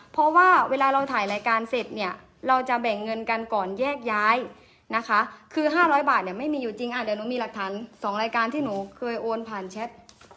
เพราะว่าเวลาเราถ่ายรายการเสร็จเนี่ยเราจะแบ่งเงินกันก่อนแยกย้ายนะคะคือ๕๐๐บาทเนี่ยไม่มีอยู่จริงเดี๋ยวหนูมีหลักฐาน๒รายการที่หนูเคยโอนผ่านแชท